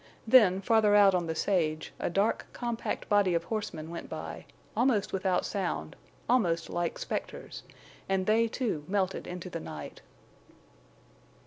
Then, farther out on the sage, a dark, compact body of horsemen went by, almost without sound, almost like specters, and they, too, melted into the night.